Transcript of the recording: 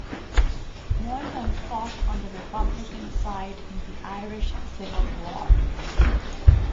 Moylan fought on the Republican side in the Irish Civil War.